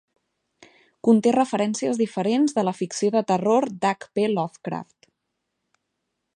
Conté referències diferents de la ficció de terror d'H. P. Lovecraft.